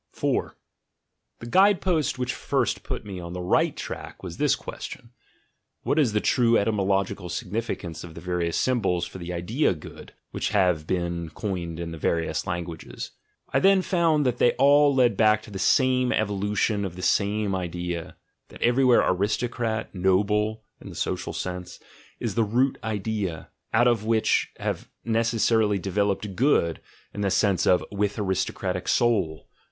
4 The guide post which first put me on the right track was this question — what is the true etymological signifi cance of the various symbols for the idea "good" which have been coined in the various languages? I then found that they all led back to the same evolution of the same idea — that everywhere "aristocrat," "noble" (in the social sense), is the root idea, out of which have necessarily developed "good" in the sense of "with aristocratic soul."